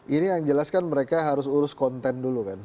ini yang jelas kan mereka harus urus konten dulu kan